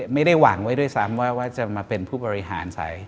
ไม่ได้หวังไว้ด้วยซ้ำว่าจะมาเป็นผู้บริหารใส